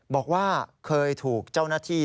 บอกว่าเคยถูกเจ้าหน้าที่